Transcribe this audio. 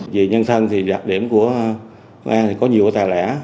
về nhân thân thì đặc điểm của long an thì có nhiều tài lẽ